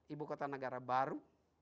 ibu kota negara baru